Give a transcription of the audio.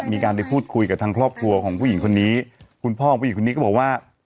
มีการไปพูดคุยกับทางครอบครัวของผู้หญิงคนนี้คุณพ่อของผู้หญิงคนนี้ก็บอกว่า